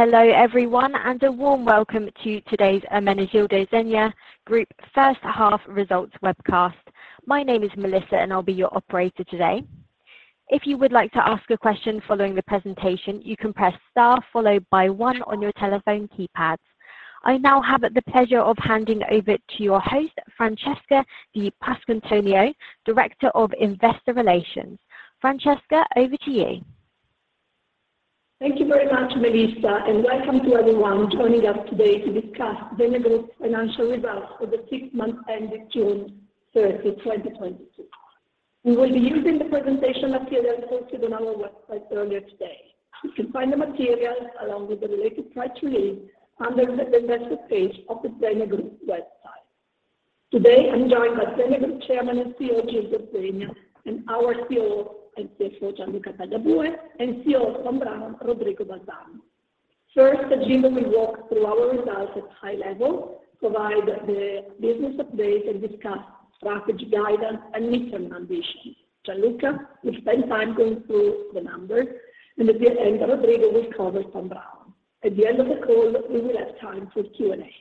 Hello everyone, and a warm welcome to today's Ermenegildo Zegna Group First Half Results webcast. My name is Melissa, and I'll be your operator today. If you would like to ask a question following the presentation, you can press star followed by 1 on your telephone keypads. I now have the pleasure of handing over to your host, Francesca Di Pasquantonio, Director of Investor Relations. Francesca, over to you. Thank you very much, Melissa, and welcome to everyone joining us today to discuss Zegna Group's financial results for the six months ending June 30, 2022. We will be using the presentation materials posted on our website earlier today. You can find the materials along with the related press release under the Investor page of the Zegna Group website. Today, I'm joined by Zegna Group Chairman and CEO, Gildo Zegna, and our COO and CFO, Gianluca Tagliabue, and CEO of Thom Browne, Rodrigo Bazan. First, Gildo will walk through our results at high level, provide the business update, and discuss strategy guidance and midterm ambitions. Gianluca will spend time going through the numbers, and at the end, Rodrigo will cover Thom Browne. At the end of the call, we will have time for Q&A.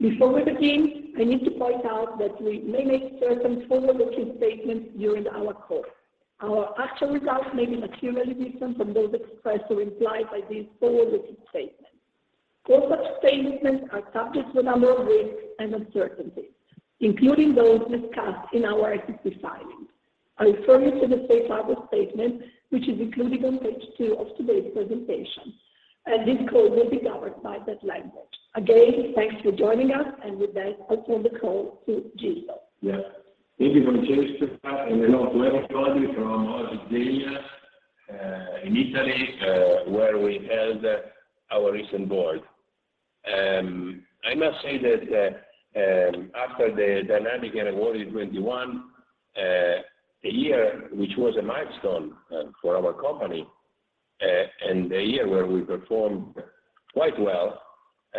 Before we begin, I need to point out that we may make certain forward-looking statements during our call. Our actual results may be materially different from those expressed or implied by these forward-looking statements. All such statements are subject to a number of risks and uncertainties, including those discussed in our SEC filings. I refer you to the safe harbor statement, which is included on page 2 of today's presentation, and this call will be governed by that language. Again, thanks for joining us, and with that, I'll turn the call to Gildo. Yeah. Maybe we can start and, you know, to everybody from our Zegna in Italy, where we held our recent board. I must say that, after the dynamic and rewarding 2021, a year which was a milestone for our company, and a year where we performed quite well,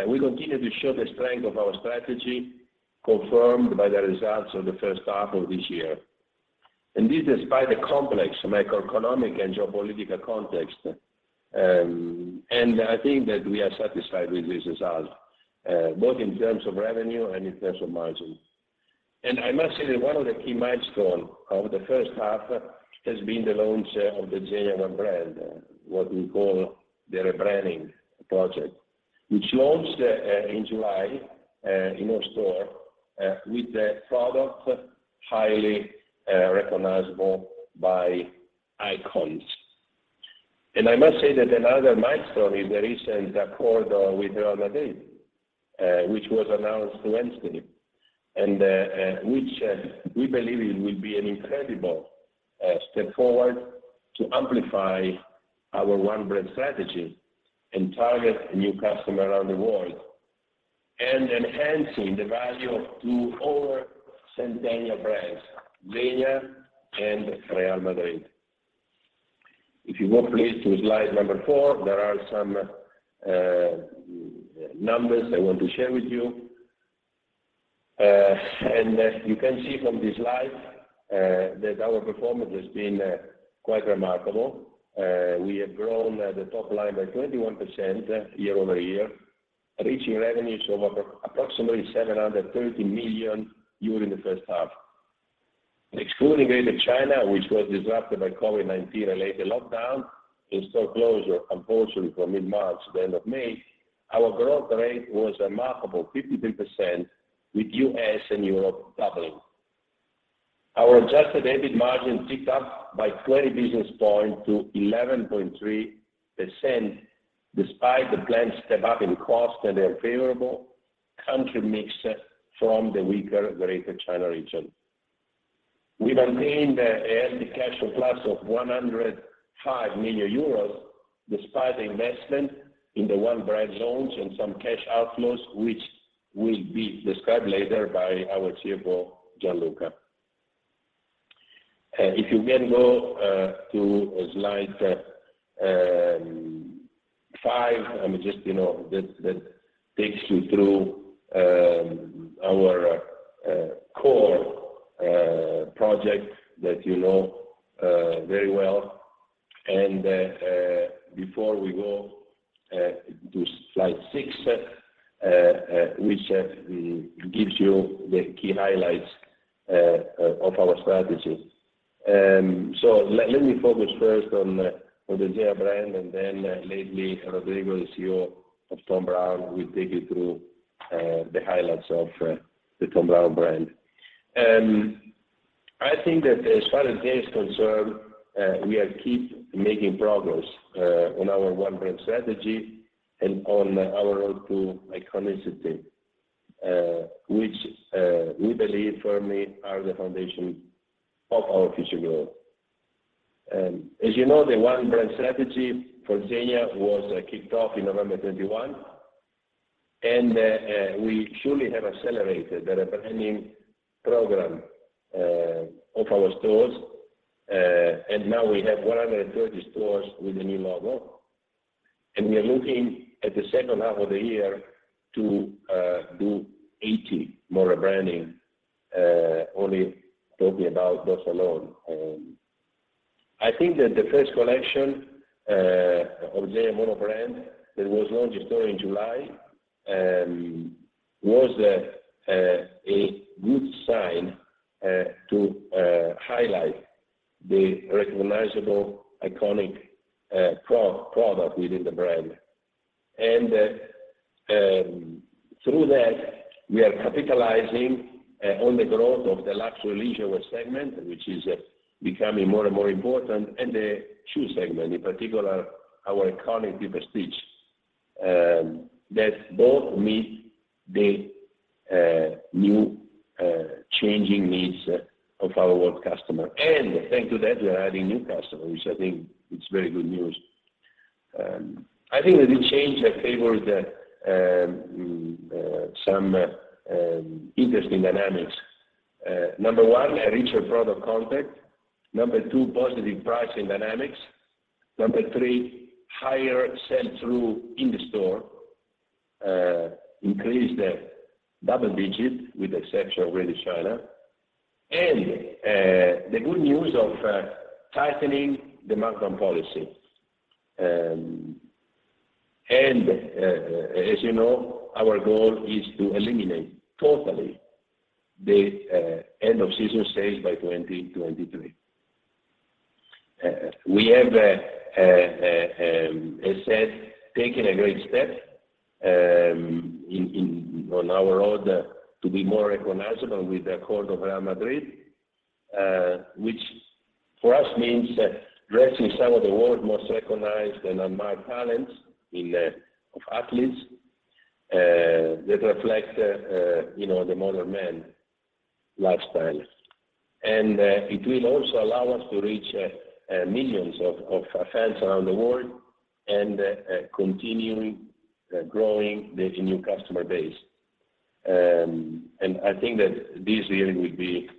we continue to show the strength of our strategy confirmed by the results of the first half of this year. This despite the complex macroeconomic and geopolitical context. I think that we are satisfied with this result, both in terms of revenue and in terms of margin. I must say that one of the key milestone of the first half has been the launch of the Zegna brand, what we call the rebranding project, which launched in July in our store with the product highly recognizable by icons. I must say that another milestone is the recent accord with Real Madrid, which was announced Wednesday, and which we believe it will be an incredible step forward to amplify our One Brand strategy and target new customer around the world and enhancing the value of two over-centennial brands, Zegna and Real Madrid. If you go please to slide number 4, there are some numbers I want to share with you. As you can see from this slide that our performance has been quite remarkable. We have grown the top line by 21% year-over-year, reaching revenues of approximately 730 million euros in the first half. Excluding Greater China, which was disrupted by COVID-19 related lockdown and store closure compulsory from mid-March to the end of May, our growth rate was a remarkable 53% with U.S. and Europe doubling. Our Adjusted EBIT margin ticked up by 20 basis points to 11.3% despite the planned step-up in cost and the unfavorable country mix from the weaker Greater China region. We've obtained the cash flow plus of 105 million euros despite investment in the One Brand launch and some cash outflows which will be described later by our CFO, Gianluca. If you can go to slide 5, I mean, just, you know, that takes you through our core projects that you know very well. Before we go to slide 6, which gives you the key highlights of our strategy. Let me focus first on the Zegna brand, and then later Rodrigo Bazan, the CEO of Thom Browne, will take you through the highlights of the Thom Browne brand. I think that as far as Zegna is concerned, we keep making progress on our One Brand strategy and on our road to iconicity, which we believe firmly are the foundation of our future growth. As you know, the One Brand strategy for Zegna was kicked off in November 2021, and we surely have accelerated the rebranding program of our stores, and now we have 130 stores with the new logo. We are looking at the second half of the year to do 80 more rebranding, only talking about those alone. I think that the first collection of the One Brand that was launched in store in July was a good sign to highlight the recognizable iconic product within the brand. Through that, we are capitalizing on the growth of the luxury leisurewear segment, which is becoming more and more important, and the shoe segment, in particular, our iconic Triple Stitch that both meet the new changing needs of our worldwide customer. Thanks to that, we are adding new customers, which I think it's very good news. I think that the change that favors some interesting dynamics. Number one, a richer product content. Number two, positive pricing dynamics. Number three, higher sell-through in the store, increased double-digit with the exception of Greater China. The good news of tightening the markdown policy. As you know, our goal is to eliminate totally the end of season sales by 2023. We have, as said, taken a great step on our road to be more recognizable with the kit of Real Madrid, which for us means dressing some of the world most recognized and admired talents in the world of athletes that reflect you know the modern man lifestyle. It will also allow us to reach millions of fans around the world and continue growing the new customer base. I think that this really will be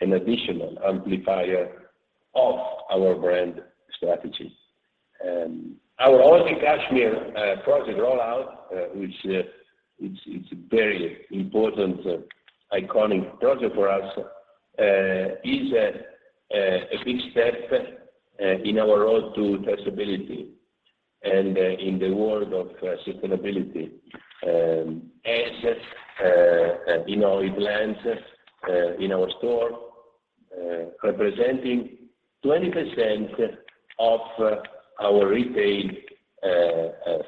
an additional amplifier of our brand strategy. Our Oasi Cashmere project rollout, which it's a very important iconic project for us, is a big step in our road to traceability and in the world of sustainability. You know, it lands in our store representing 20% of our retail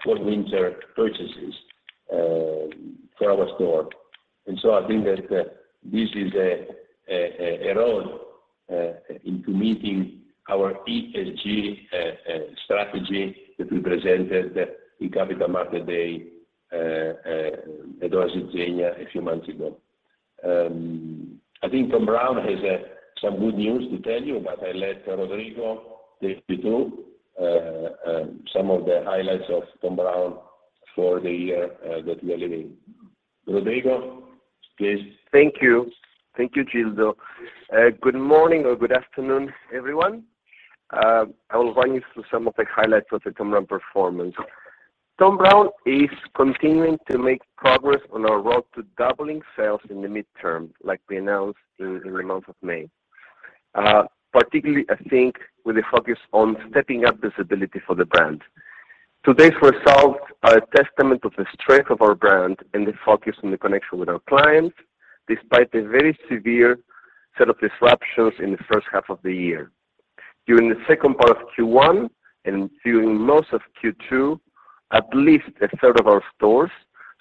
fall/winter purchases for our store. I think that this is a road into meeting our ESG strategy that we presented at the Capital Markets Day at Oasi Zegna a few months ago. I think Thom Browne has some good news to tell you, but I let Rodrigo take you through some of the highlights of Thom Browne for the year that we are living. Rodrigo, please. Thank you. Thank you, Gildo. Good morning or good afternoon, everyone. I will run you through some of the highlights of the Thom Browne performance. Thom Browne is continuing to make progress on our road to doubling sales in the midterm, like we announced in the month of May. Particularly, I think with a focus on stepping up visibility for the brand. Today's results are a testament of the strength of our brand and the focus on the connection with our clients, despite the very severe set of disruptions in the first half of the year. During the second part of Q1 and during most of Q2, at least a third of our stores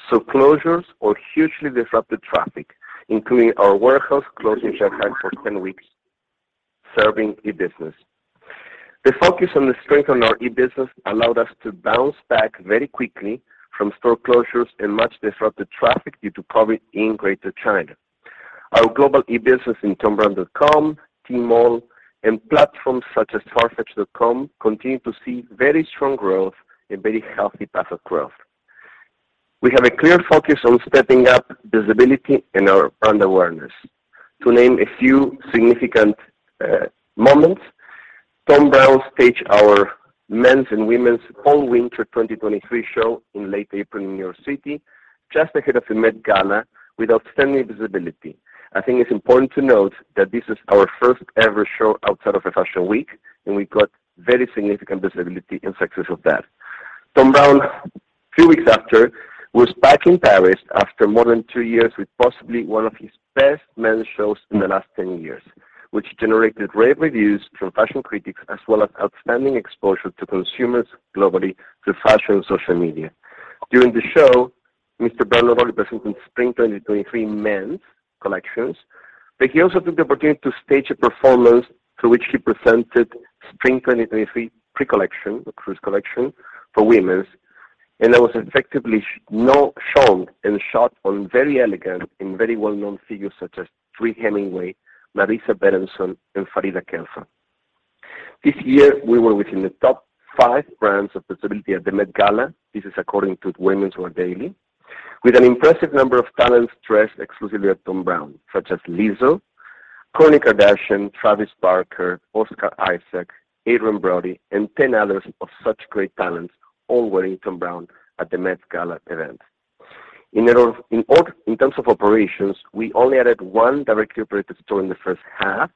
saw closures or hugely disrupted traffic, including our warehouse closures that lasted for 10 weeks, serving e-business. The focus on the strength on our e-business allowed us to bounce back very quickly from store closures and much disrupted traffic due to COVID in Greater China. Our global e-business in thombrowne.com, Tmall, and platforms such as Farfetch continue to see very strong growth and very healthy path of growth. We have a clear focus on stepping up visibility and our brand awareness. To name a few significant moments, Thom Browne staged our men's and women's fall/winter 2023 show in late April in New York City, just ahead of the Met Gala, with outstanding visibility. I think it's important to note that this is our first ever show outside of a fashion week, and we got very significant visibility and success of that. Thom Browne, few weeks after, was back in Paris after more than two years with possibly one of his best men's shows in the last 10 years, which generated rave reviews from fashion critics, as well as outstanding exposure to consumers globally through fashion social media. During the show, Thom Browne not only presented spring 2023 men's collections, but he also took the opportunity to stage a performance through which he presented spring 2023 pre-collection, the cruise collection for women's, and that was effectively shown and shot on very elegant and very well-known figures such as Dree Hemingway, Marisa Berenson, and Farida Khelfa. This year, we were within the top five brands of visibility at the Met Gala. This is according to Women's Wear Daily. With an impressive number of talents dressed exclusively at Thom Browne, such as Lizzo, Kourtney Kardashian, Travis Barker, Oscar Isaac, Adrien Brody, and 10 others of such great talents, all wearing Thom Browne at the Met Gala event. In terms of operations, we only added one directly operated store in the first half,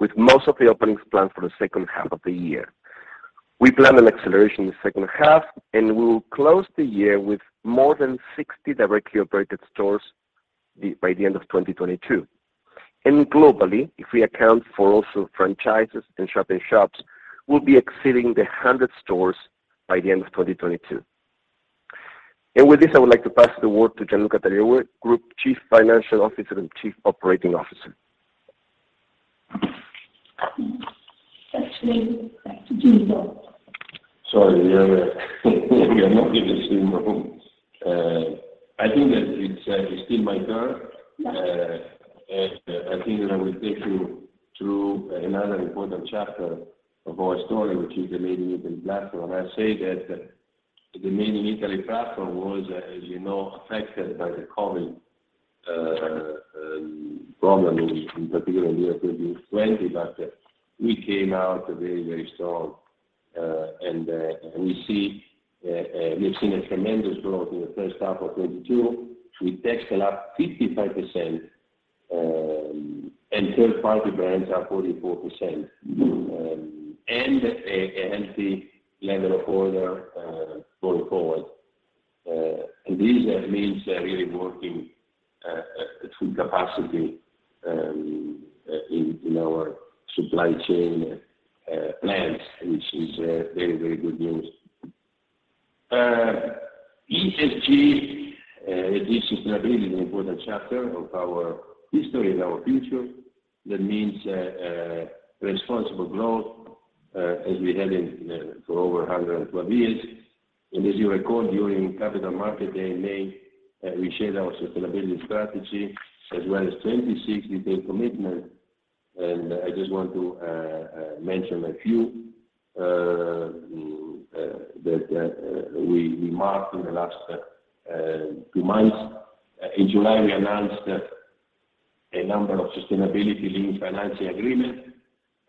with most of the openings planned for the second half of the year. We plan an acceleration in the second half, and we will close the year with more than 60 directly operated stores by the end of 2022. Globally, if we account for also franchises and shop in shops, we'll be exceeding 100 stores by the end of 2022. With this, I would like to pass the word to Gianluca Tagliabue, Group Chief Financial Officer and Chief Operating Officer. Actually, back to Gildo. Sorry. Yeah. We are not in the same room. I think that it's still my turn. Yeah. I think that I will take you through another important chapter of our story, which is the Made in Italy platform. I say that the Made in Italy platform was, as you know, affected by the COVID problem, in particular the year 2020, but we came out very, very strong. We've seen a tremendous growth in the first half of 2022 with textile up 55%, and third-party brands up 44%. A healthy level of order going forward. This means really working at full capacity in our supply chain plans, which is very, very good news. ESG, this is a really important chapter of our history and our future. That means responsible growth, as we had for over 112 years. As you recall during Capital Markets Day in May, we shared our sustainability strategy as well as 26 detailed commitments. I just want to mention a few that we marked in the last two months. In July, we announced a number of sustainability-linked financing agreements.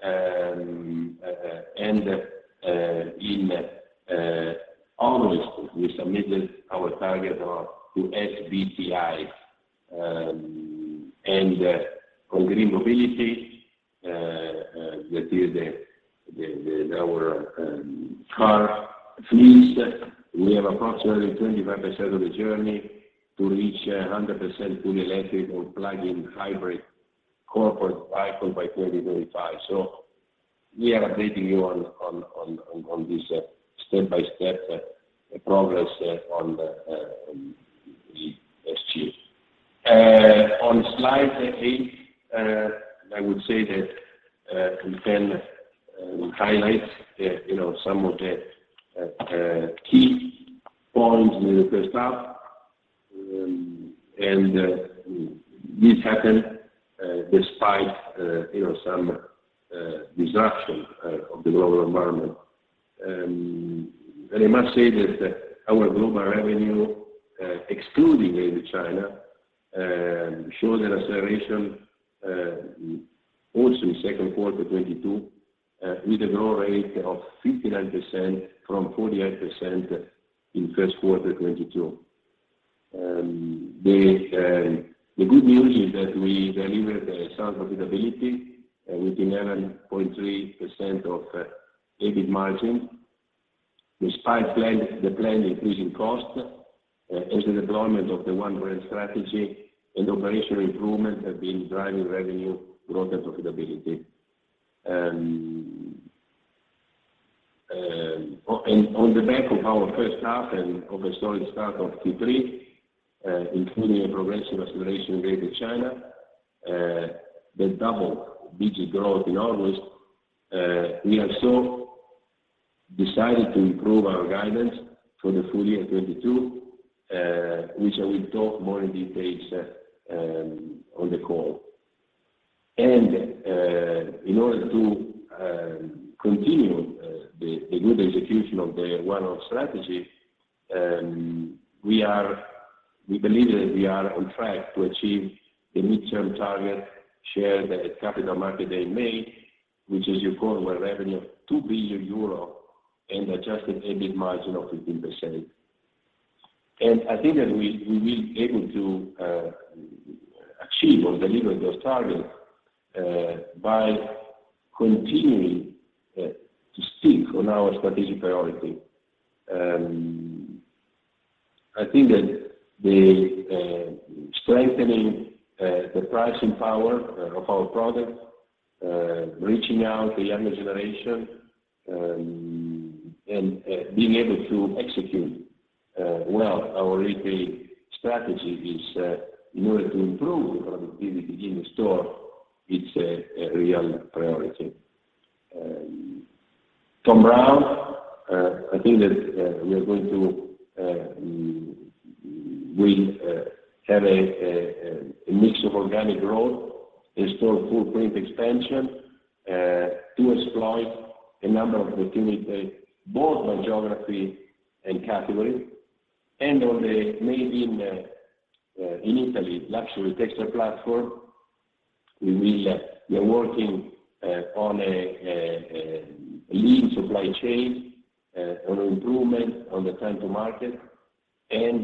In August, we submitted our target to SBTi. On green mobility, that is our car fleet, we have approximately 25% of the journey to reach 100% full electric or plug-in hybrid corporate vehicle by 2025. We are updating you on this step-by-step progress on the ESG. On slide 8, I would say that we highlight, you know, some of the key points in the first half. This happened despite, you know, some disruption of the global environment. I must say that our global revenue excluding Greater China showed an acceleration also in second quarter 2022 with a growth rate of 59% from 48% in first quarter 2022. The good news is that we delivered a sound profitability with 11.3% EBIT margin, despite the planned increasing costs, as the deployment of the One Brand strategy and operational improvements have been driving revenue growth and profitability. On the back of our first half and a solid start of Q3, including a progressive acceleration in Greater China, that double-digit growth in August, we have so decided to improve our guidance for the full year 2022, which I will talk more in details on the call. In order to continue the good execution of the One Brand strategy, we believe that we are on track to achieve the midterm target shared at Capital Markets Day in May, which is a core revenue of 2 billion euro and Adjusted EBIT margin of 15%. I think that we will able to achieve or deliver those targets by continuing to stick on our strategic priority. I think that the strengthening the pricing power of our products reaching out to younger generation and being able to execute well our retail strategy is in order to improve the profitability in the store; it's a real priority. Thom Browne, I think that we have a mix of organic growth in store footprint expansion to exploit a number of opportunities both on geography and category and on the Made in Italy luxury textile platform. We are working on a lean supply chain on improvement on the time to market, and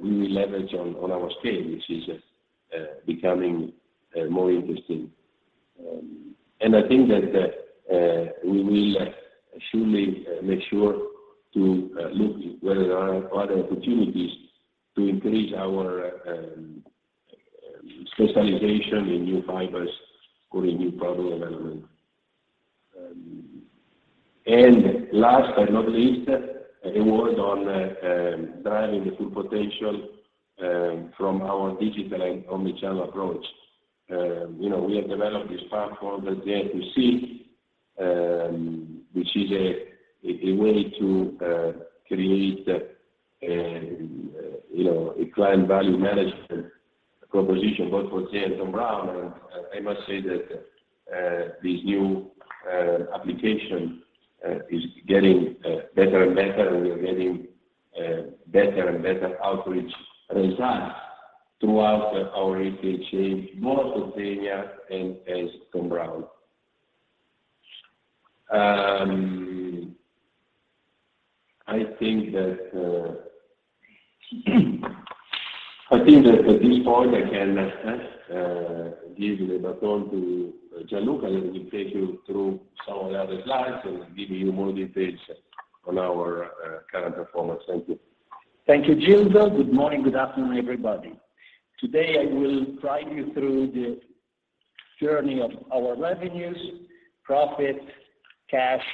we will leverage on our scale, which is becoming more interesting. I think that we will surely make sure to look where there are other opportunities to increase our specialization in new fibers or in new product development. Last but not least, a word on driving the full potential from our digital and omnichannel approach. You know, we have developed this platform, the ZFC, which is a client value management proposition both for Zegna and Thom Browne. I must say that this new application is getting better and better, and we are getting better and better outreach results throughout our retail chain, both Zegna and Thom Browne. I think that at this point I can give the baton to Gianluca, and he will take you through some of the other slides and give you more details on our current performance. Thank you. Thank you, Gildo. Good morning, good afternoon, everybody. Today, I will drive you through the journey of our revenues, profits, cash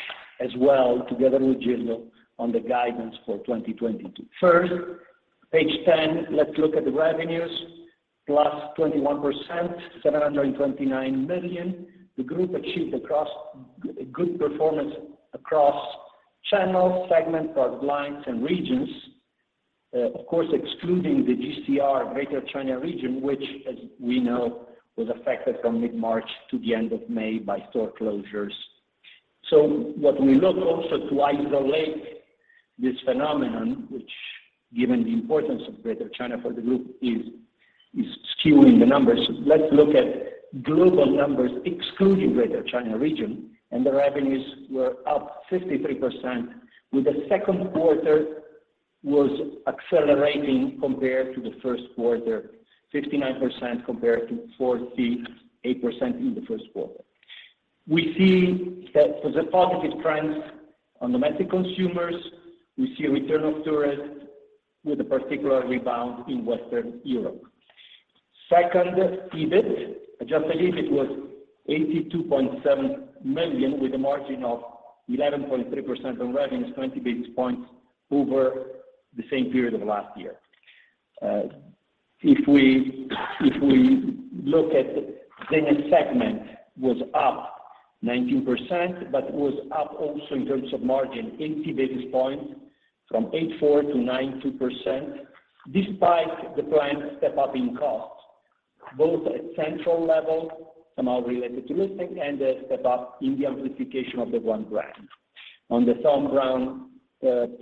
as well, together with Gildo on the guidance for 2022. First, page 10, let's look at the revenues, +21%, 729 million. The group achieved good performance across channels, segments, product lines and regions. Of course, excluding the GCR, Greater China Region, which, as we know, was affected from mid-March to the end of May by store closures. What we look also to isolate this phenomenon, which given the importance of Greater China for the group is skewing the numbers. Let's look at global numbers excluding Greater China Region, and the revenues were up 53%, with the second quarter was accelerating compared to the first quarter, 59% compared to 48% in the first quarter. We see that for the positive trends on domestic consumers, we see a return of tourists with a particular rebound in Western Europe. Second, EBIT. Adjusted EBIT was 82.7 million, with a margin of 11.3% on revenues, 20 basis points over the same period of last year. If we look at Zegna segment was up 19%, but was up also in terms of margin, 80 basis points from 8.4%-9.2%, despite the planned step-up in costs, both at central level, somehow related to listing and a step-up in the amplification of the One Brand. On the Thom Browne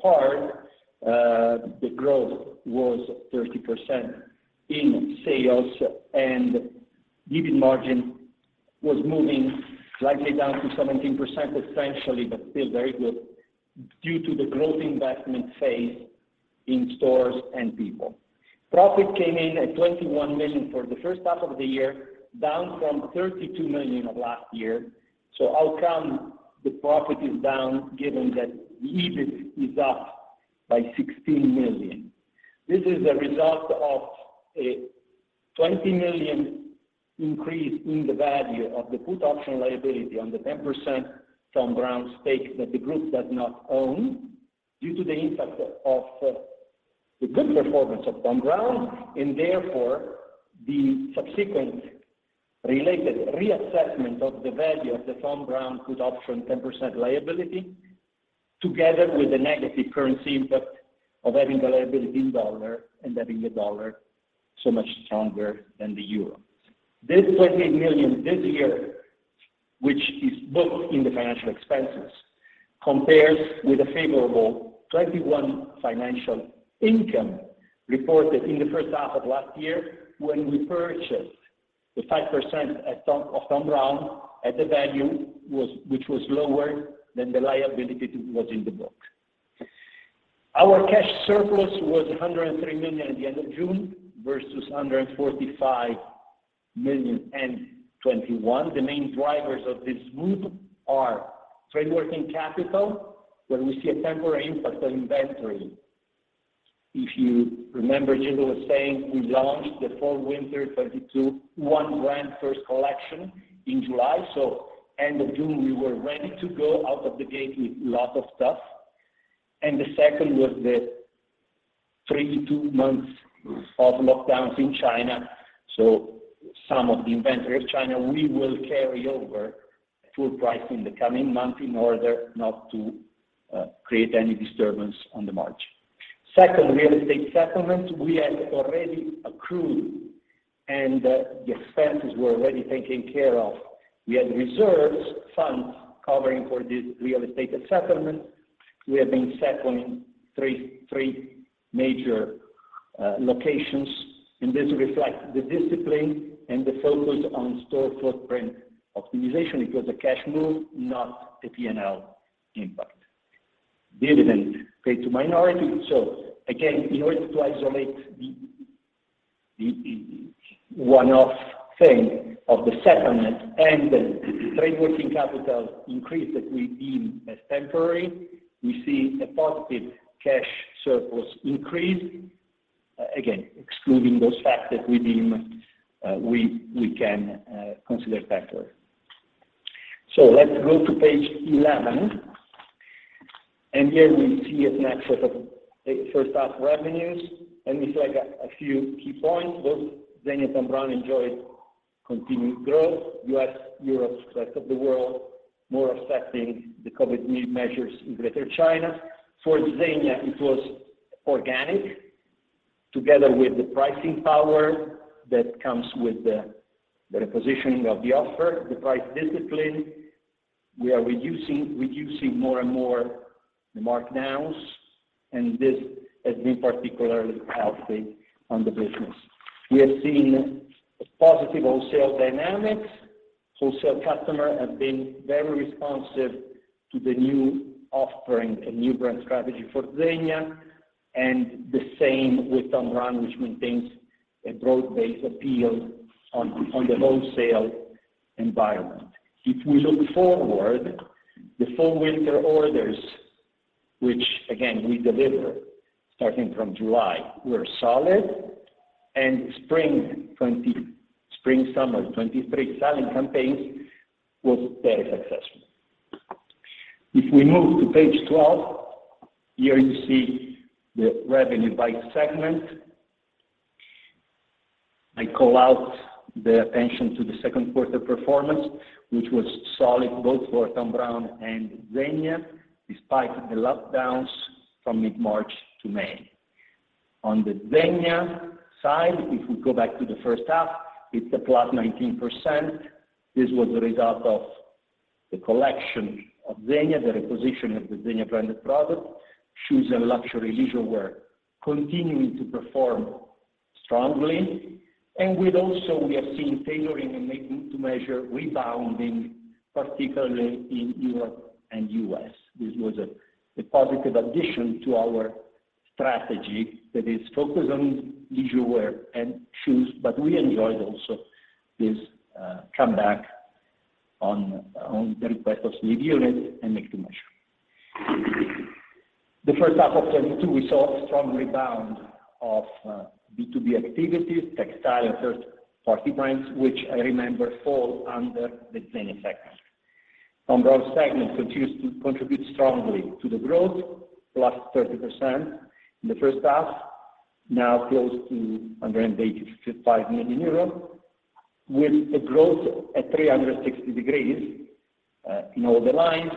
part, the growth was 30% in sales, and EBIT margin was moving slightly down to 17% essentially, but still very good due to the growth investment phase in stores and people. Profit came in at 21 million for the first half of the year, down from 32 million of last year. How come the profit is down given that EBIT is up by 16 million? This is a result of a 20 million increase in the value of the put option liability on the 10% Thom Browne stake that the group does not own due to the impact of the good performance of Thom Browne, and therefore the subsequent related reassessment of the value of the Thom Browne put option 10% liability, together with the negative currency impact of having the liability in U.S. dollars and having the U.S. dollar so much stronger than the euro. This 28 million this year, which is booked in the financial expenses, compares with a favorable 21 million financial income reported in the first half of last year when we purchased the 5% of Thom Browne at a value which was lower than the liability that was in the book. Our cash surplus was 103 million at the end of June versus 145 million in 2021. The main drivers of this move are trade working capital, where we see a temporary impact on inventory. If you remember, Gildo was saying we launched the fall winter 2022 One Brand first collection in July. End of June, we were ready to go out of the gate with lots of stuff. The second was the two months of lockdowns in China. Some of the inventory of China we will carry over full price in the coming month in order not to create any disturbance on the margin. Second, real estate settlement, we had already accrued, and the expenses were already taken care of. We had reserves, funds covering for this real estate settlement. We have been settling three major locations, and this reflects the discipline and the focus on store footprint optimization. It was a cash move, not a P&L impact. Dividends paid to minority. Again, in order to isolate the one-off thing of the settlement and the trade working capital increase that we deem as temporary, we see a positive cash surplus increase, again, excluding those facts that we deem we can consider temporary. Let's go to page 11. Here we see a snapshot of the first half revenues, and we flag a few key points. Both Zegna and Thom Browne enjoyed continued growth, U.S., Europe, rest of the world, more affected by the COVID measures in Greater China. For Zegna, it was organic together with the pricing power that comes with the repositioning of the offer, the price discipline. We are reducing more and more the markdowns, and this has been particularly healthy on the business. We have seen a positive wholesale dynamics. Wholesale customer have been very responsive to the new offering and new brand strategy for Zegna, and the same with Thom Browne, which maintains a broad-based appeal on the wholesale environment. If we look forward, the fall/winter orders, which again, we deliver starting from July, were solid and spring/summer 2023 selling campaigns was very successful. If we move to page 12, here you see the revenue by segment. I call out the attention to the second quarter performance, which was solid both for Thom Browne and Zegna, despite the lockdowns from mid-March to May. On the Zegna side, if we go back to the first half, it's a +19%. This was the result of the collection of Zegna, the repositioning of the Zegna branded product, shoes and luxury leisurewear continuing to perform strongly. With also, we have seen tailoring and made-to-measure rebounding, particularly in Europe and U.S. This was a positive addition to our strategy that is focused on leisurewear and shoes, but we enjoyed also this, comeback on the request of sleeve units and made-to-measure. The first half of 2022, we saw a strong rebound of B2B activities, textile and third party brands, which I remember fall under the Zegna sector. Thom Browne segment continues to contribute strongly to the growth, +30% in the first half, now close to 185 million euros with a growth at 360 degrees in all the lines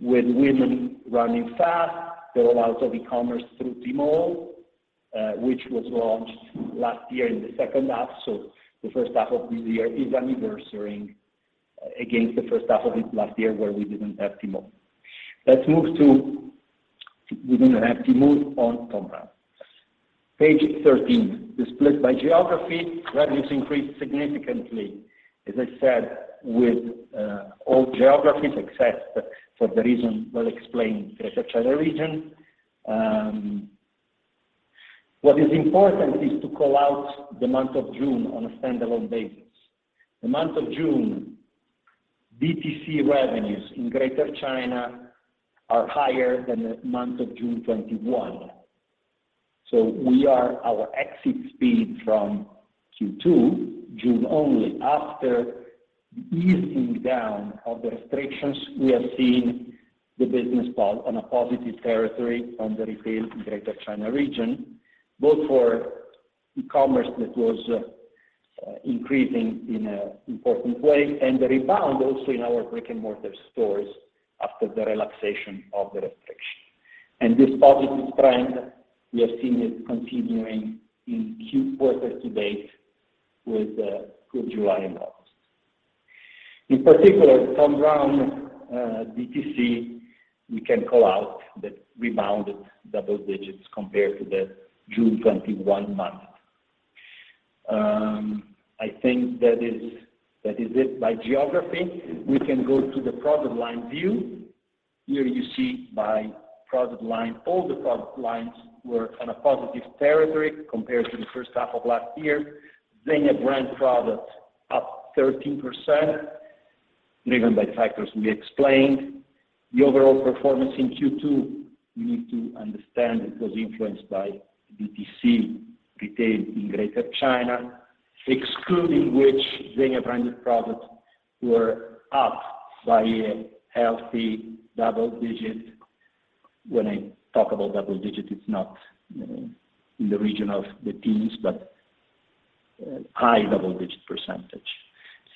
with women running fast. The rollout of e-commerce through Tmall, which was launched last year in the second half, so the first half of this year is anniversarying against the first half of last year where we didn't have Tmall. We didn't have Tmall on Thom Browne. Page 13, the split by geography, revenues increased significantly, as I said, with all geographies except for the reason that explained Greater China region. What is important is to call out the month of June on a standalone basis. The month of June DTC revenues in Greater China are higher than the month of June 2021. Our exit speed from Q2, June only, after the easing down of the restrictions, we have seen the business fall on a positive territory on the retail in Greater China region, both for e-commerce that was increasing in an important way, and the rebound also in our brick-and-mortar stores after the relaxation of the restriction. This positive trend, we have seen it continuing in quarter to date with good July and August. In particular, Thom Browne DTC, we can call out that rebounded double digits compared to the June 2021 month. I think that is it by geography. We can go to the product line view. Here you see by product line, all the product lines were on a positive territory compared to the first half of last year. Zegna brand product up 13%, driven by the factors we explained. The overall performance in Q2, you need to understand it was influenced by DTC retail in Greater China, excluding which Zegna branded products were up by a healthy double digit. When I talk about double digit, it's not in the region of the teens, but high double-digit percentage.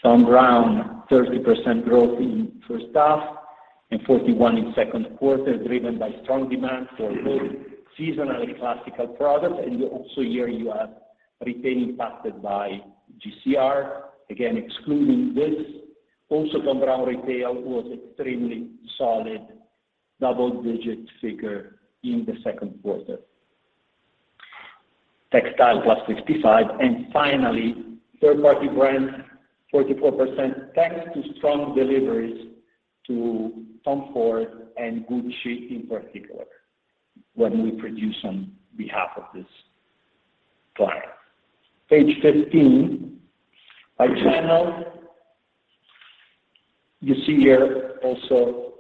Thom Browne, 30% growth in first half and 41% in second quarter, driven by strong demand for both seasonally classical products and you also here you have retailing impacted by GCR. Again, excluding this also from Thom Browne retail was extremely solid double-digit figure in the second quarter. Textile plus 65, and finally, third party brands 44% thanks to strong deliveries to Tom Ford and Gucci in particular, when we produce on behalf of this client. Page 15. By channel, you see here also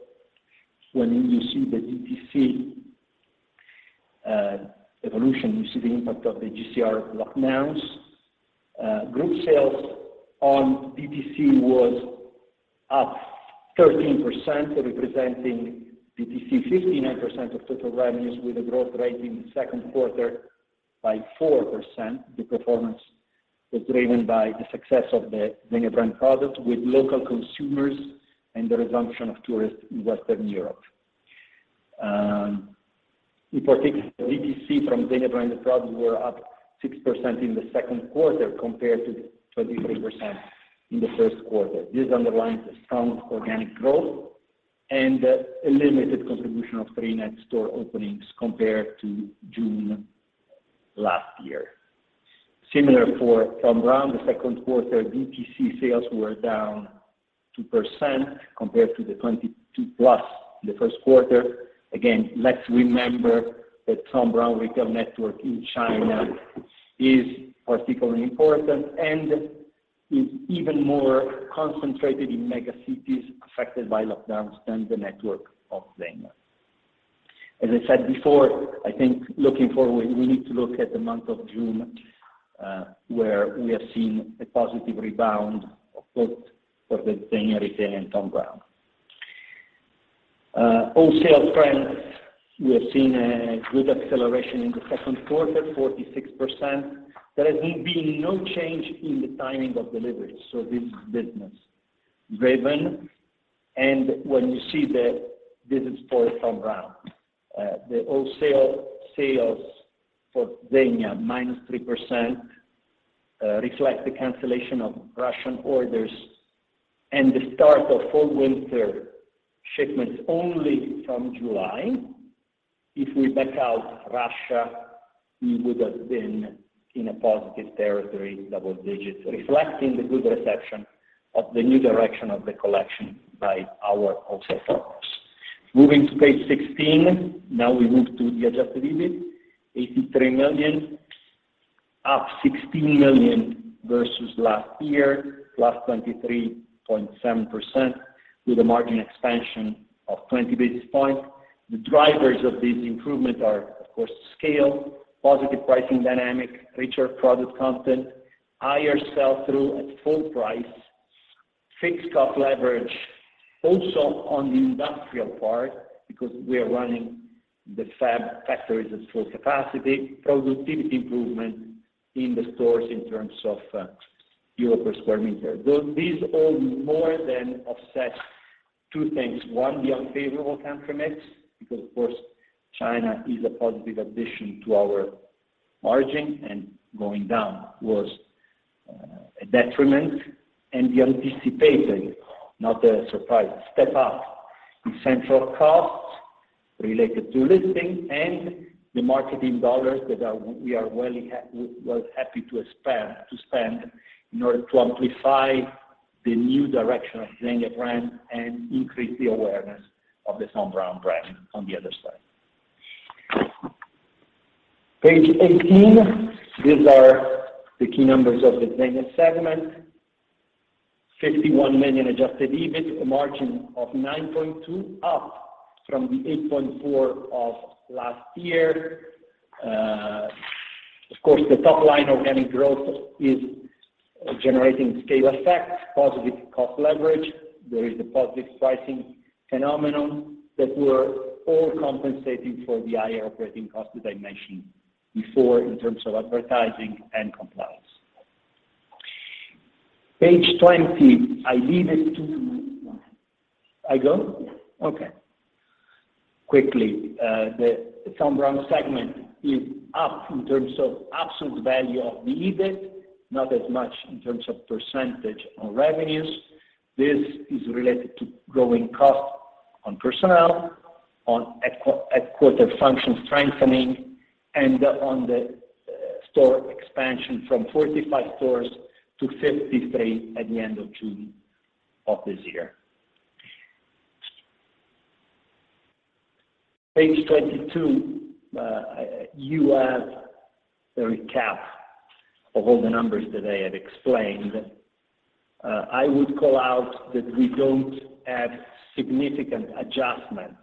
when you see the DTC evolution, you see the impact of the GCR lockdowns. Group sales on DTC was up 13%, representing DTC 59% of total revenues with a growth rate in the second quarter by 4%. The performance was driven by the success of the Zegna brand product with local consumers and the resumption of tourists in Western Europe. In particular, DTC from Zegna brand products were up 6% in the second quarter compared to 23% in the first quarter. This underlines the strong organic growth and a limited contribution of 39 store openings compared to June last year. Similar for Thom Browne, the second quarter, DTC sales were down 2% compared to the 22+% in the first quarter. Again, let's remember that Thom Browne retail network in China is particularly important and is even more concentrated in mega cities affected by lockdowns than the network of Zegna. As I said before, I think looking forward, we need to look at the month of June, where we have seen a positive rebound of both for the Zegna retail and Thom Browne. Overall sales trends, we have seen a good acceleration in the second quarter, 46%. There has been no change in the timing of deliveries, so this is business driven. When you see this is for Thom Browne, the wholesale sales for Zegna, -3%, reflect the cancellation of Russian orders and the start of fall-winter shipments only from July. If we back out Russia, we would have been in a positive territory, double digits, reflecting the good reception of the new direction of the collection by our wholesale customers. Moving to page 16. Now we move to the Adjusted EBIT, 83 million, up 16 million versus last year, +23.7% with a margin expansion of 20 basis points. The drivers of this improvement are, of course, scale, positive pricing dynamic, richer product content, higher sell-through at full price, fixed cost leverage also on the industrial part because we are running the factories at full capacity, productivity improvement in the stores in terms of EUR per square meter. Though these all more than offset two things. One, the unfavorable country mix, because of course, China is a positive addition to our margin, and going down was a detriment. And the anticipated, not a surprise, step up in central costs related to listing and the marketing dollars that we are happy to spend in order to amplify the new direction of Zegna brand and increase the awareness of the Thom Browne brand on the other side. Page 18, these are the key numbers of the Zegna segment. 51 million Adjusted EBIT, a margin of 9.2%, up from the 8.4% of last year. Of course, the top line organic growth is generating scale effects, positive cost leverage. There is a positive pricing phenomenon that we're all compensating for the higher operating costs that I mentioned before in terms of advertising and compliance. Page 20, I leave it to, I go? Yeah. Okay. Quickly, the Thom Browne segment is up in terms of absolute value of the EBIT, not as much in terms of percentage on revenues. This is related to growing costs on personnel, on headquarters function strengthening, and on the store expansion from 45 stores-53 stores at the end of June of this year. Page 22, you have a recap of all the numbers that I have explained. I would call out that we don't have significant adjustments.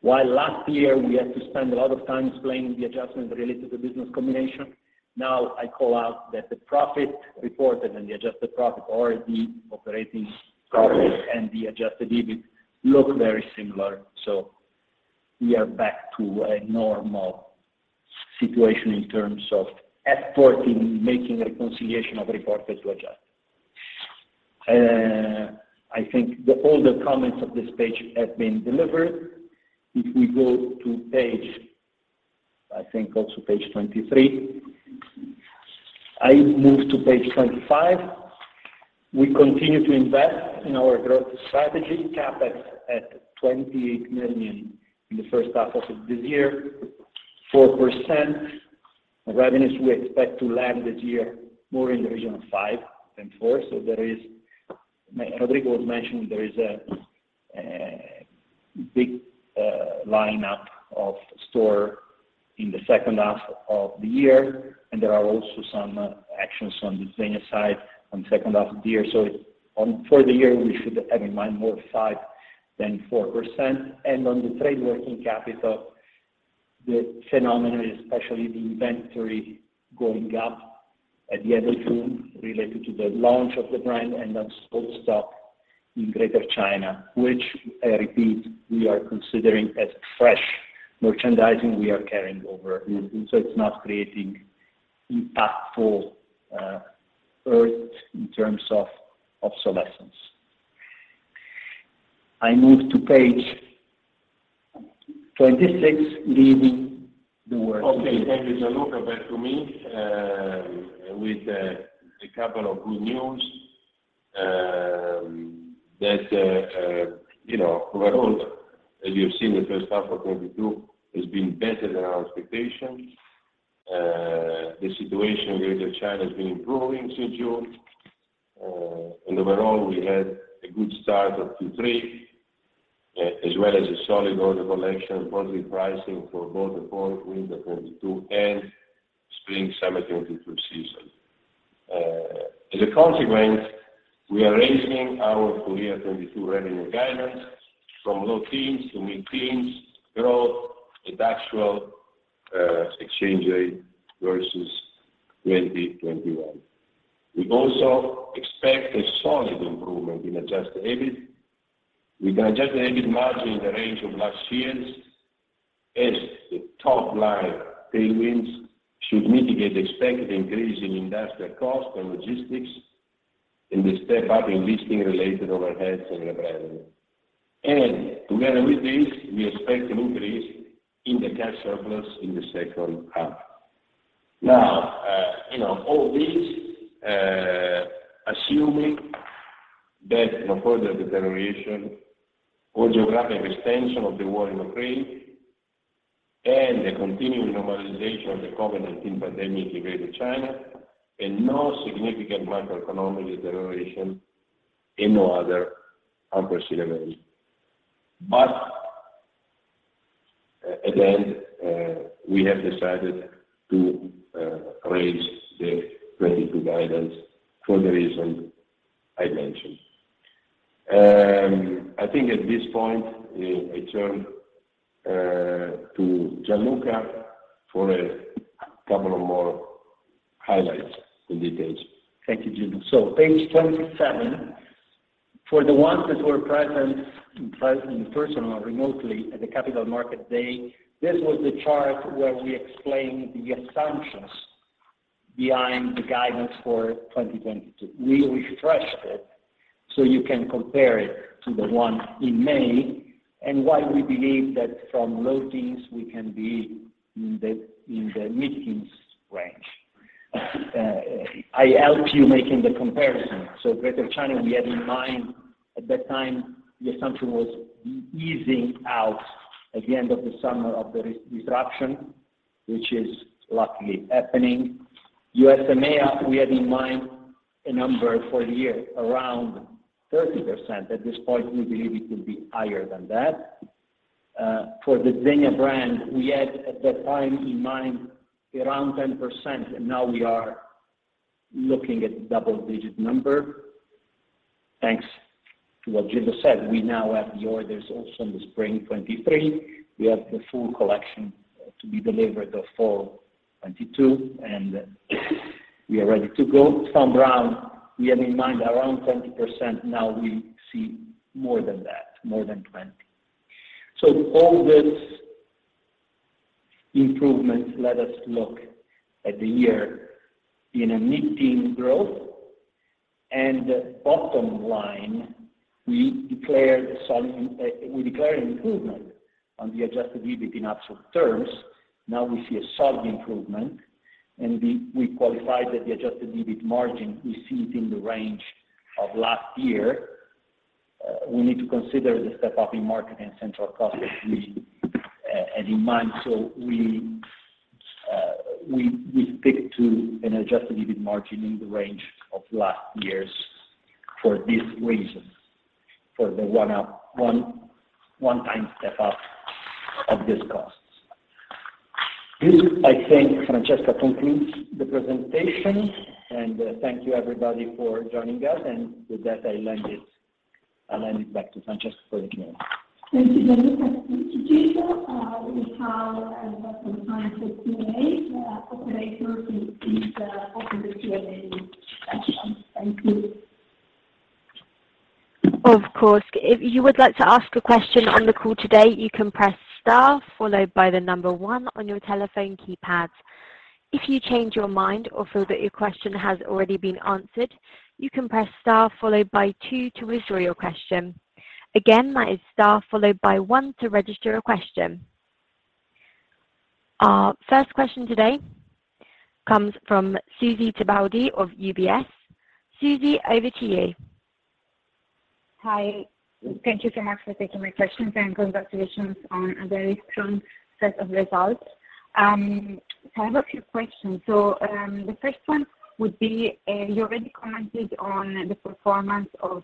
While last year we had to spend a lot of time explaining the adjustment related to business combination, now I call out that the profit reported and the adjusted profit or the operating profit and the Adjusted EBIT look very similar. We are back to a normal situation in terms of effort in making a reconciliation of reported to adjusted. I think all the comments of this page have been delivered. If we go to page, I think also page 23. I move to page 25. We continue to invest in our growth strategy, CapEx at 28 million in the first half of this year, 4%. Revenues we expect to land this year more in the region of 5% than 4%. Rodrigo mentioned, there is a big lineup of stores in the second half of the year, and there are also some actions on the Zegna side in the second half of the year. For the year, we should have in mind more 5% than 4%. On the trade working capital, the phenomenon is especially the inventory going up at the end of June related to the launch of the brand and on stock in Greater China, which I repeat, we are considering as fresh merchandising we are carrying over. It's not creating impactful hurt in terms of obsolescence. I move to page 26, leaving the [inaudible] Okay, thank you, Gianluca. Back to me with a couple of good news that you know, overall, as you have seen, the first half of 2022 has been better than our expectations. The situation in Greater China has been improving since June. Overall, we had a good start of 2023 as well as a solid order collection, positive pricing for both the fall/winter 2022 and spring/summer 2022 season. As a consequence, we are raising our full year 2022 revenue guidance from low-teens to mid-teens growth at actual exchange rate versus 2021. We also expect a solid improvement in Adjusted EBIT. With Adjusted EBIT margin in the range of last year's, as the top line tailwinds should mitigate the expected increase in industrial cost and logistics and the step-up in listing related overheads and rebranding. Together with this, we expect an increase in the cash surplus in the second half. Now, you know, all this, assuming that no further deterioration or geographic extension of the war in Ukraine and a continued normalization of the COVID-19 pandemic in Greater China and no significant macroeconomic deterioration in any other unprecedented way. Again, we have decided to raise the 2022 guidance for the reason I mentioned. I think at this point, I turn to Gianluca for a couple of more highlights and details. Thank you, Gildo. Page 27, for the ones that were present in person or remotely at the Capital Markets Day, this was the chart where we explained the assumptions behind the guidance for 2022. We refreshed it so you can compare it to the one in May and why we believe that from low teens we can be in the mid-teens range. I help you making the comparison. Greater China, we had in mind at that time, the assumption was the easing out at the end of the summer of the restrictions disruption, which is luckily happening. U.S. EMEA, we had in mind a number for the year around 30%. At this point, we believe it will be higher than that. For the Zegna brand, we had at that time in mind around 10%, and now we are looking at double-digit number. Thanks to what Gildo said, we now have the orders also in the spring 2023. We have the full collection to be delivered of fall 2022, and we are ready to go. Thom Browne, we had in mind around 20%. Now we see more than that, more than 20. All these improvements let us look at the year in a mid-teen growth. Bottom line, we declare an improvement on the Adjusted EBIT in absolute terms. Now we see a solid improvement, and we qualify that the Adjusted EBIT margin, we see it in the range of last year. We need to consider the step-up in marketing central costs actually, and in mind. We stick to an Adjusted EBIT margin in the range of last year's for this reason, for the one-time step up of these costs. This, I think, Francesca, concludes the presentation, and thank you everybody for joining us. With that, I'll hand it back to Francesca for the Q&A. Thank you, Gianluca and to Gildo. We have some time for Q&A. Operator, please, open the Q&A session. Thank you. Of course. If you would like to ask a question on the call today, you can press star followed by 1 on your telephone keypads. If you change your mind or feel that your question has already been answered, you can press star followed by 2 to withdraw your question. Again, that is star followed by 1 to register a question. Our first question today comes from Susy Tibaldi of UBS. Susy, over to you. Hi. Thank you so much for taking my questions, and congratulations on a very strong set of results. I have a few questions. The first one would be, you already commented on the performance of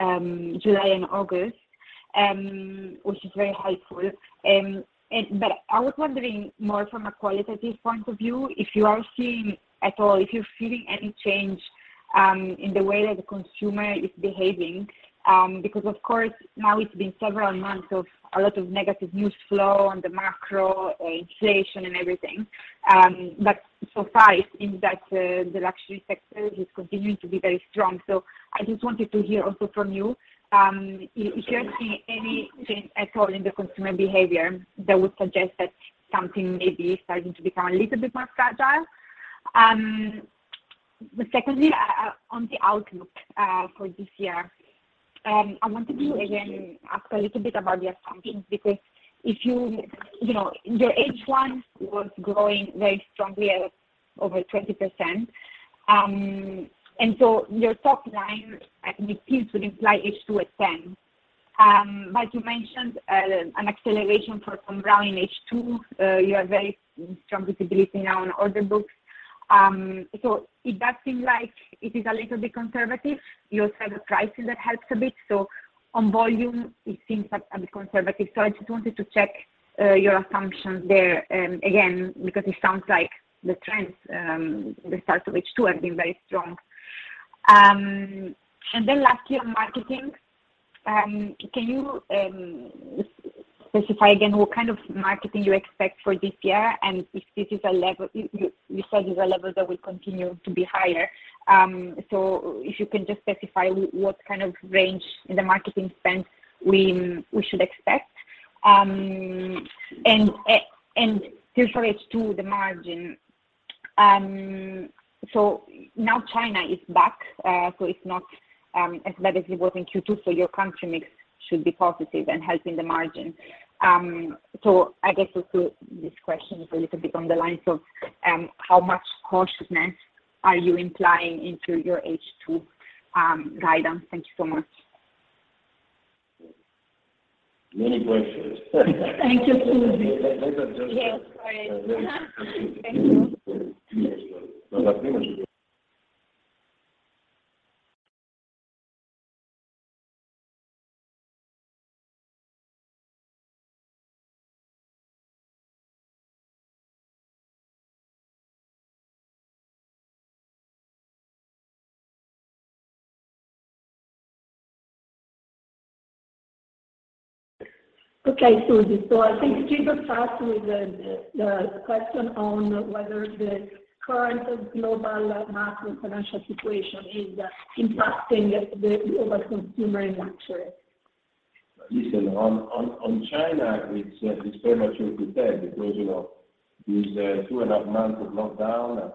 July and August, which is very helpful. But I was wondering more from a qualitative point of view, if you are seeing at all, if you're feeling any change in the way that the consumer is behaving, because of course now it's been several months of a lot of negative news flow on the macro, inflation and everything. So far it seems that the luxury sector is continuing to be very strong. I just wanted to hear also from you, if you are seeing any change at all in the consumer behavior that would suggest that something may be starting to become a little bit more fragile. Secondly, on the outlook for this year, I wanted to again ask a little bit about your assumptions, because if you know, your H1 was growing very strongly at over 20%. Your top line, I think it seems to imply H2 at 10%. You mentioned an acceleration for comps in H2. You have very strong visibility now on order books. It does seem like it is a little bit conservative. You also have the pricing that helps a bit. On volume it seems a bit conservative. I just wanted to check your assumptions there again, because it sounds like the trends, the start of H2 have been very strong. Then lastly on marketing, can you specify again what kind of marketing you expect for this year? And if this is a level. You said this a level that will continue to be higher. If you can just specify what kind of range in the marketing spend we should expect. And specifically to the margin. Now China is back, so it's not as badly hit as in Q2. Your country mix should be positive and helping the margin. I guess also this question is a little bit on the lines of, how much cautiousness are you implying into your H2 guidance? Thank you so much. Many questions. Thank you, Susy. Yeah. All right. Thank you. Okay, Susy. I think to start with the question on whether the current global macro financial situation is impacting our consumer in luxury. Listen, on China, it's premature to say because, you know, these two and a half months of lockdown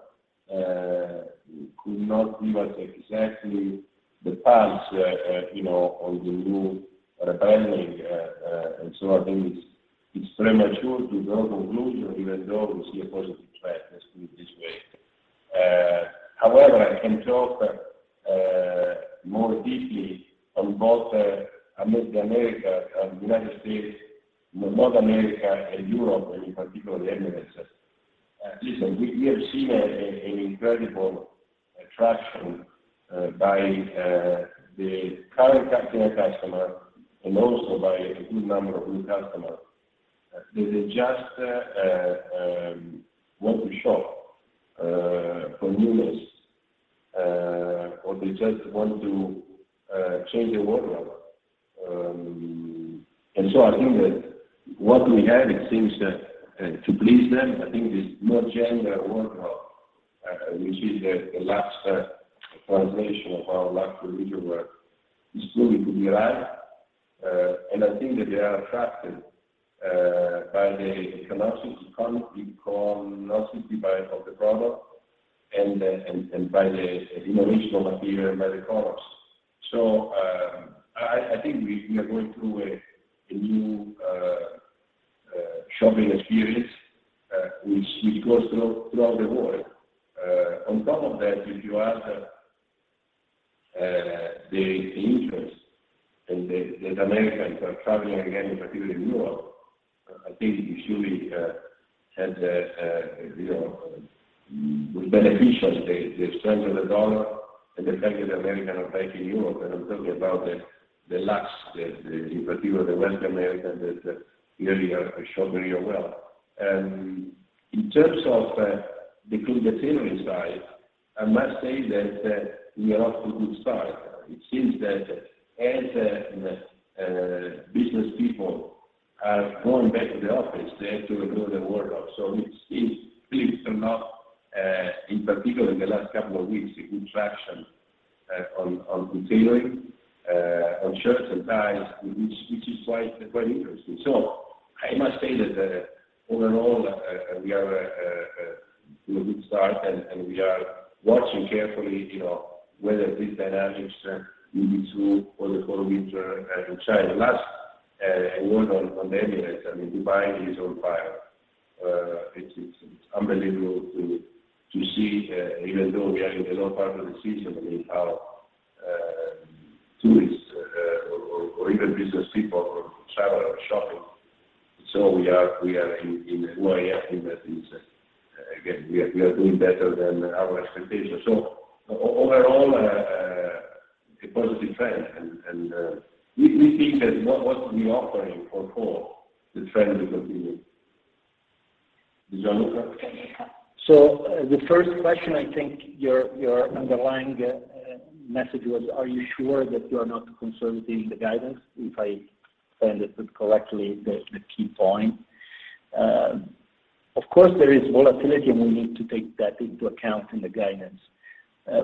could not give us exactly the pulse, you know, of the new rebranding. I think it's premature to draw conclusions even though we see a positive trend, let's put it this way. However, I can talk more deeply on both North America, United States, North America and Europe, and in particular the Emirates. Listen, we have seen an incredible attraction by the current Zegna customer and also by a good number of new customers. They just want to shop for newness or they just want to change their wardrobe. I think that what we have, it seems, to please them. I think this more general wardrobe, which is the last foundation of our last review, is proving to be right. I think that they are attracted by the authenticity, not simply by the product and by the innovative appeal and by the colors. I think we are going through a new shopping experience, which goes throughout the world. On top of that, if you add the interest and the Americans are traveling again, in particular in Europe, I think it surely has benefited from the strength of the U.S. dollar and the fact that Americans are back in Europe. I'm talking about the luxury. In particular the Western Americans that really are showing real wealth. In terms of the clean material side, I must say that we are off to a good start. It seems that as business people are going back to the office, they have to renew their wardrobe. It seems things are not In particular, in the last couple of weeks, a good traction on tailoring on shirts and ties, which is quite interesting. I must say that overall we are in a good start, and we are watching carefully, you know, whether these dynamics lead into for the fall/winter in China. Last word on the EMEA, I mean, Dubai is on fire. It's unbelievable to see even though we are in the low part of the season, I mean, how tourists or even business people travel or shopping. We are in a way, I think that is, again, we are doing better than our expectations. Overall, a positive trend. We think that what we offering for fall, the trend will continue. Gianluca? The first question, I think your underlying message was, are you sure that you are not conservative with the guidance? If I understand it correctly, the key point. Of course, there is volatility, and we need to take that into account in the guidance.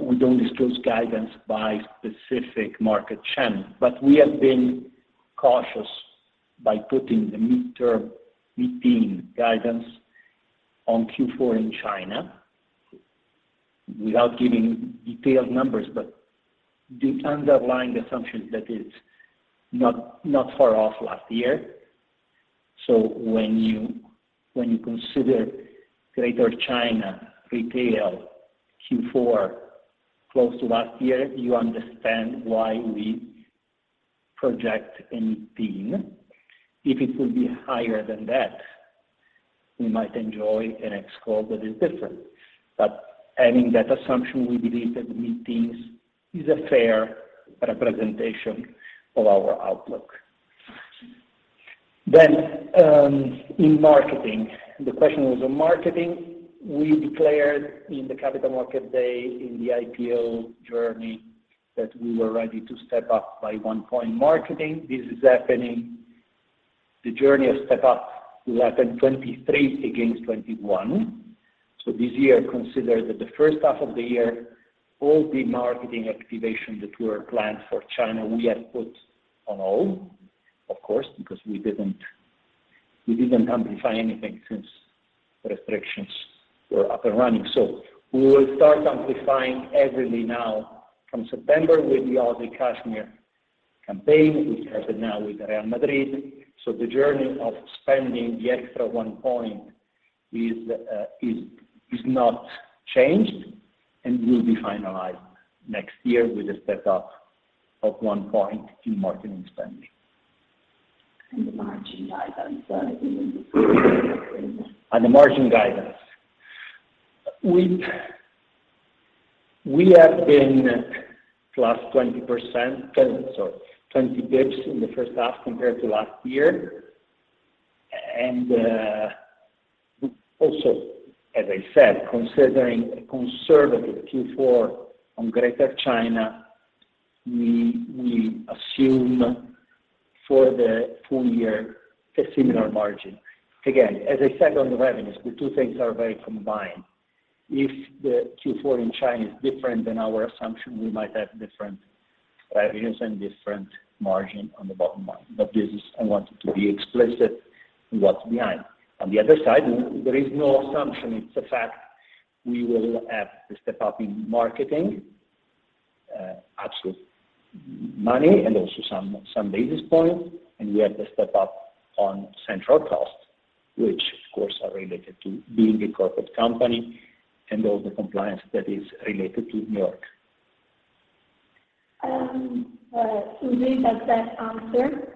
We don't disclose guidance by specific market channel, but we have been cautious by putting the mid-term mid-teens guidance on Q4 in China without giving detailed numbers. The underlying assumption that it's not far off last year. When you consider Greater China retail Q4 close to last year, you understand why we project mid-teens. If it will be higher than that, we might enjoy an upside that is different. Having that assumption, we believe that mid-teens is a fair representation of our outlook. In marketing, the question was on marketing. We declared in the Capital Markets Day, in the IPO journey, that we were ready to step up by 1 point marketing. This is happening. The journey of step up will happen 2023 against 2021. This year, consider that the first half of the year, all the marketing activation that were planned for China, we have put on hold, of course, because we didn't amplify anything since restrictions were up and running. We will start amplifying heavily now from September with the Oasi Cashmere campaign, which started now with Real Madrid. The journey of spending the extra 1 point is not changed and will be finalized next year with a step up of 1 point in marketing spending. The margin guidance. The margin guidance. We have been +20 basis points in the first half compared to last year. Also, as I said, considering a conservative Q4 on Greater China, we assume for the full year a similar margin. Again, as I said on the revenues, the two things are very combined. If the Q4 in China is different than our assumption, we might have different revenues and different margin on the bottom line. But this is. I wanted to be explicit in what's behind. On the other side, there is no assumption, it's a fact, we will have the step up in marketing absolute money and also some basis points. We have the step up on central costs, which of course, are related to being a corporate company and all the compliance that is related to New York. Susy, does that answer?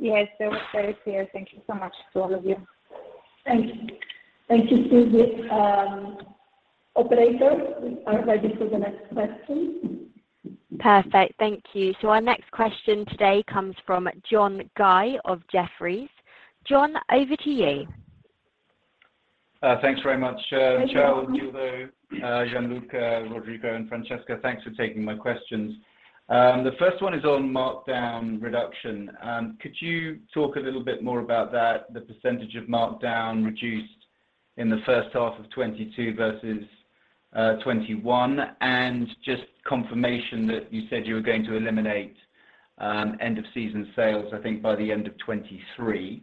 Yes, that was very clear. Thank you so much to all of you. Thank you. Thank you, Susy. Operator, we are ready for the next question. Thank you. So our next question today comes from John Guy of Jefferies. John, over to you. Thanks very much. Thank you. Ciao, Gildo, Gianluca, Rodrigo, and Francesca. Thanks for taking my questions. The first one is on markdown reduction. Could you talk a little bit more about that, the percentage of markdown reduced in the first half of 2022 versus 2021? Just confirmation that you said you were going to eliminate end of season sales, I think by the end of 2023.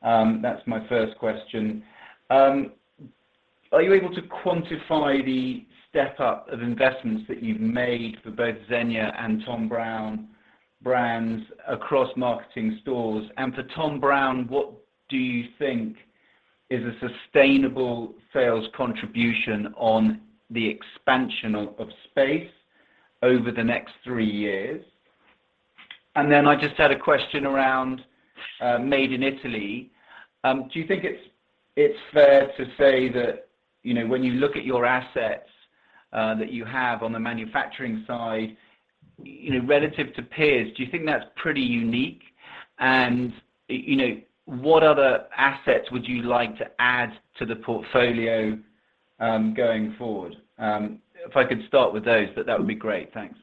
That's my first question. Are you able to quantify the step up of investments that you've made for both Zegna and Thom Browne brands across marketing and stores? For Thom Browne, what do you think is a sustainable sales contribution on the expansion of space over the next three years? I just had a question around Made in Italy. Do you think it's fair to say that, you know, when you look at your assets, that you have on the manufacturing side, you know, relative to peers, do you think that's pretty unique? You know, what other assets would you like to add to the portfolio, going forward? If I could start with those, but that would be great. Thanks.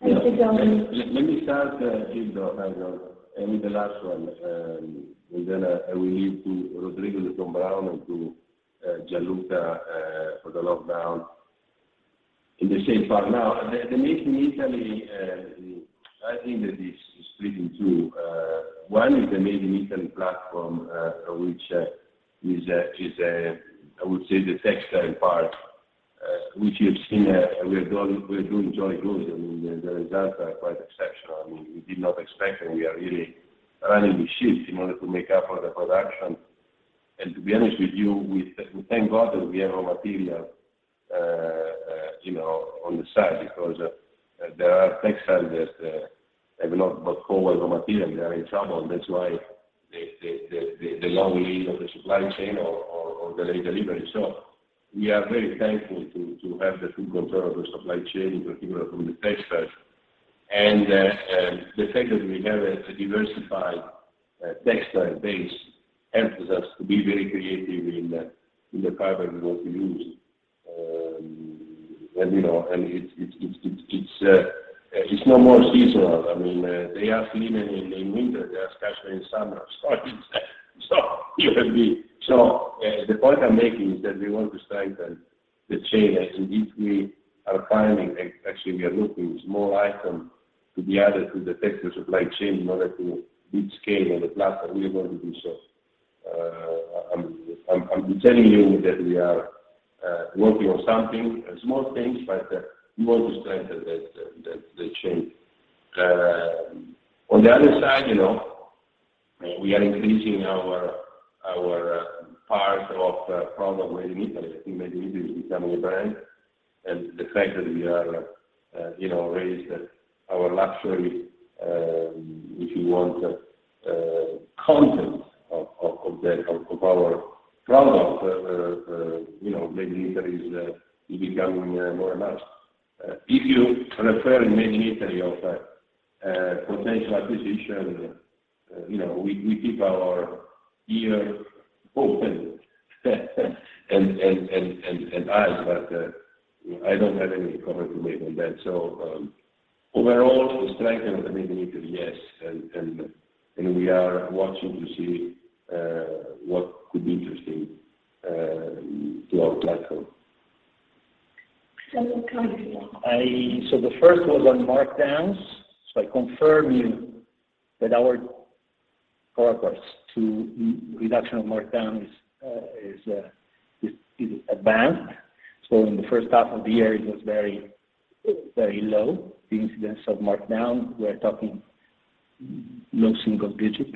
Thank you, John. Let me start, Gildo, I know, and the last one, and then I will leave to Rodrigo, to Thom Browne, and to Gianluca for the outlook in the same part. Now, the Made in Italy, I think that is split in two. One is the Made in Italy platform, which is a, I would say the textile part, which you've seen, we're doing jolly good. I mean, the results are quite exceptional. I mean, we did not expect, and we are really running the shifts in order to make up for the production. To be honest with you, we thank God that we have raw material, you know, on the side because there are textiles that have not got raw material. They are in trouble. That's why the long lead of the supply chain or the late delivery. We are very thankful to have the full control of the supply chain, in particular from the textiles. The fact that we have a diversified textile base helps us to be very creative in the fabric we want to use. You know, it's no more seasonal. I mean, they are freezing in winter, they are scorching in summer. The point I'm making is that we want to strengthen the chain. I think actually we are looking small item to be added to the textile supply chain in order to reach scale on the platform, we are going to do so. I'm telling you that we are working on some small things, but we want to strengthen the chain. On the other side, you know, we are increasing our part of product Made in Italy. I think Made in Italy is becoming a brand. The fact that we have raised our luxury, if you want, content of our products, you know, Made in Italy is becoming more and more. If you are referring to a potential acquisition in Made in Italy, you know, we keep our eyes and ears open, but I don't have any comment to make on that. Overall, to strengthen the Made in Italy, yes, and we are watching to see what could be interesting to our platform. [inaudible] The first was on markdowns. I confirm you that our progress to reduction of markdown is advanced. In the first half of the year, it was very, very low, the incidence of markdown. We're talking low single digit.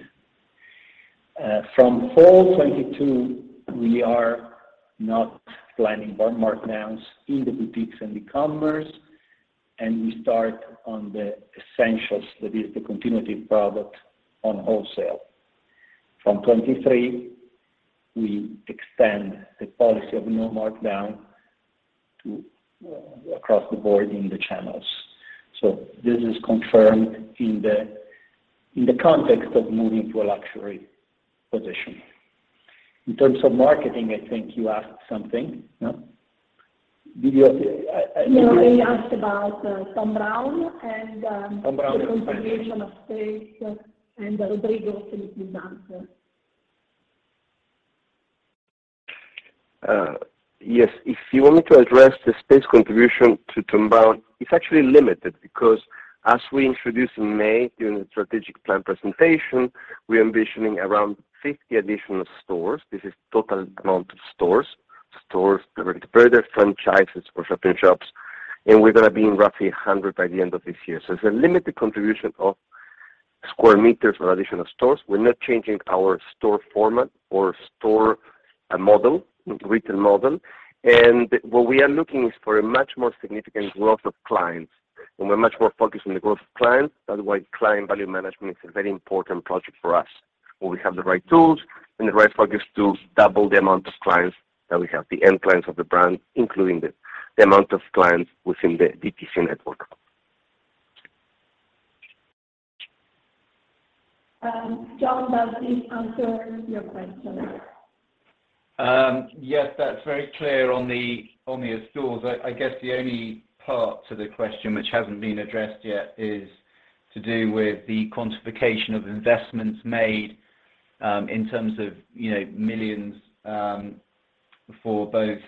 From fall 2022, we are not planning more markdowns in the boutiques and e-commerce, and we start on the essentials, that is the continuity product on wholesale. From 2023, we extend the policy of no markdown to across the board in the channels. This is confirmed in the context of moving to a luxury position. In terms of marketing, I think you asked something, no? Did you? No, he asked about, Thom Browne and - Thom Browne, yes. - the contribution of Thom Browne and Rodrigo can answer. Yes. If you want me to address the space contribution to Thom Browne, it's actually limited because as we introduced in May during the strategic plan presentation, we're envisioning around 50 additional stores. This is total amount of stores. Stores, whether it's further franchises or shop-in-shops, and we're gonna be in roughly 100 by the end of this year. It's a limited contribution of square meters or additional stores. We're not changing our store format or store model, retail model. What we are looking is for a much more significant growth of clients, and we're much more focused on the growth of clients. That's why client value management is a very important project for us, where we have the right tools and the right focus to double the amount of clients that we have, the end clients of the brand, including the amount of clients within the DTC network. John, does this answer your question? Yes. That's very clear on the stores. I guess the only part to the question which hasn't been addressed yet is to do with the quantification of investments made, in terms of, you know, millions, for both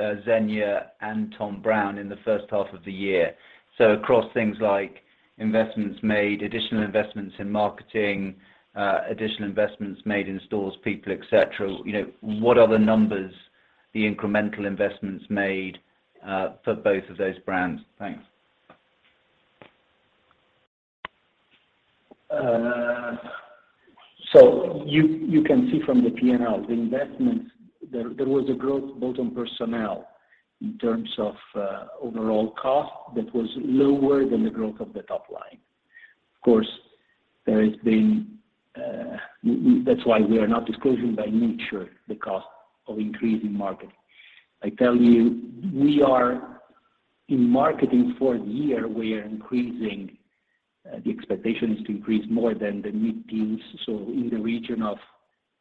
Zegna and Thom Browne in the first half of the year. Across things like investments made, additional investments in marketing, additional investments made in stores, people, et cetera. You know, what are the numbers, the incremental investments made, for both of those brands? Thanks. You can see from the P&L, the investments, there was a growth both on personnel in terms of overall cost that was lower than the growth of the top line. Of course, that's why we are not disclosing by nature the cost of increasing marketing. I tell you, we are in marketing for the year, we are increasing The expectation is to increase more than the mid-teens. In the region of,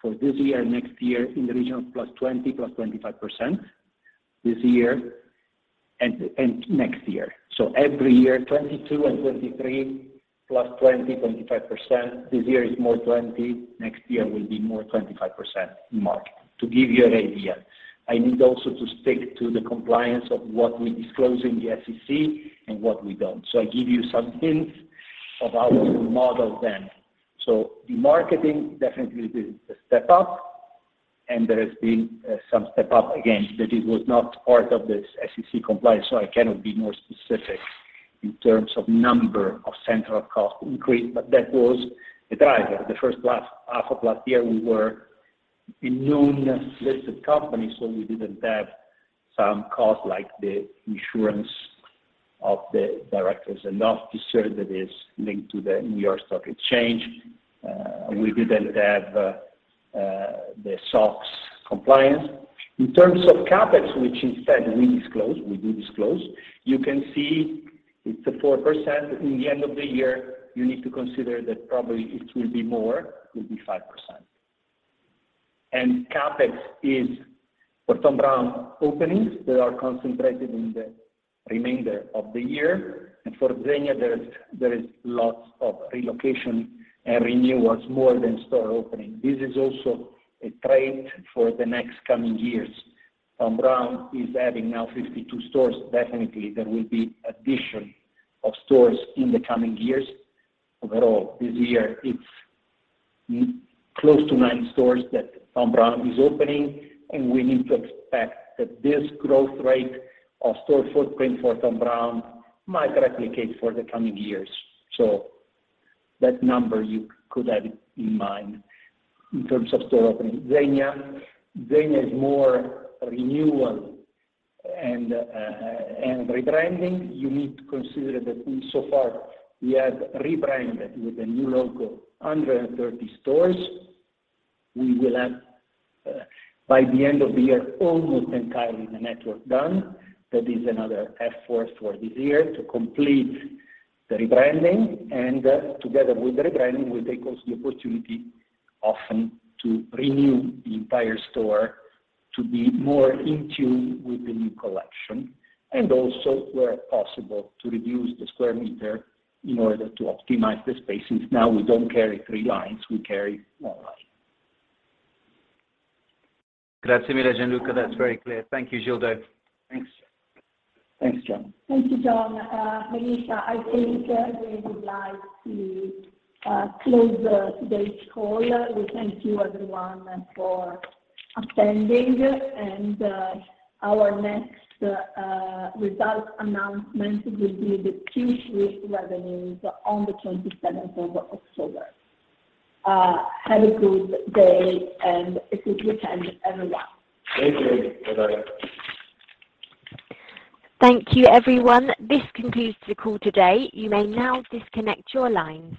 for this year, next year, in the region of +20%, +25% this year and next year. Every year, 2022 and 2023 +20%, 25%. This year is more 20%, next year will be more 25% margin to give you an idea. I need also to stick to the compliance of what we disclose in the SEC and what we don't. I give you some hints of our model then. The marketing definitely did a step up, and there has been some step up. Again, that it was not part of the SEC compliance, so I cannot be more specific in terms of number of central cost increase. But that was the driver. The first half of last year, we were a non-listed company, so we didn't have some costs like the insurance of the directors and the officers that is linked to the New York Stock Exchange. We didn't have the SOX compliance. In terms of CapEx, which we disclose, you can see it's 4%. In the end of the year, you need to consider that probably it will be more, it will be 5%. CapEx is for Thom Browne openings. They are concentrated in the remainder of the year. For Zegna, there is lots of relocation and renewals more than store opening. This is also a trend for the next coming years. Thom Browne is adding now 52 stores. Definitely, there will be addition of stores in the coming years. Overall, this year it's close to 90 stores that Thom Browne is opening, and we need to expect that this growth rate of store footprint for Thom Browne might replicate for the coming years. That number you could have in mind in terms of store opening. Zegna is more renewal and rebranding. You need to consider that we so far have rebranded with a new logo, 130 stores. We will have, by the end of the year, almost entirely the network done. That is another effort for this year to complete the rebranding. Together with the rebranding, we take also the opportunity often to renew the entire store to be more in tune with the new collection, and also where possible, to reduce the square meter in order to optimize the space, since now we don't carry three lines, we carry one line. [Grazie mille], Gianluca. That's very clear. Thank you, Gildo. Thanks. Thanks, John. Thank you, John. Melissa, I think we would like to close today's call. We thank you, everyone for attending, and our next results announcement will be the Q3 revenues on the 27th of October. Have a good day and a good weekend, everyone. Thank you. Bye-bye. Thank you, everyone. This concludes the call today. You may now disconnect your lines.